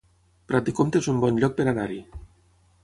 Prat de Comte es un bon lloc per anar-hi